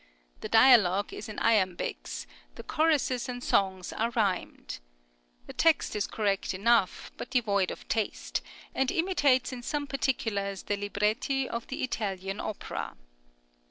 The dialogue is in Iambics, the choruses and songs are rhymed. The text is correct enough, but devoid of taste, and imitates in some particulars the {STUDY IN SALZBURG.} (60) libretti of the Italian opera.